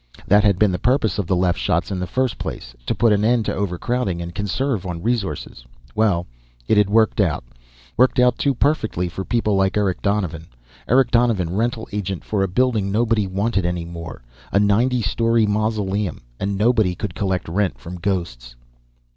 That had been the purpose of the Leff shots in the first place to put an end to overcrowding and conserve on resources. Well, it had worked out. Worked out too perfectly for people like Eric Donovan. Eric Donovan, rental agent for a building nobody wanted any more; a ninety storey mausoleum. And nobody could collect rent from ghosts.